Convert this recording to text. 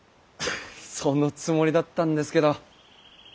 そのつもりだったんですけど。